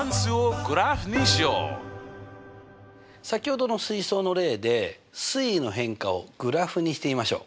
先ほどの水槽の例で水位の変化をグラフにしてみましょう。